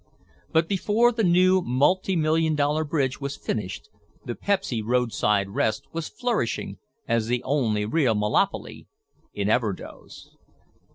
But before the new million dollar bridge was finished the Pepsy Roadside Rest was flourishing as the only real "monolopy" in Everdoze.